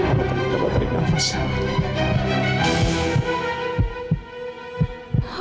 amat terbantah dengan pesawat